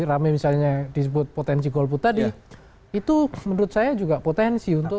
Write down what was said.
rame misalnya disebut potensi golput tadi itu menurut saya juga potensi untuk